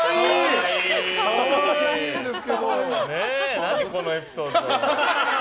何、そのエピソード。